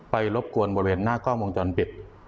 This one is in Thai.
รบกวนบริเวณหน้ากล้องวงจรปิด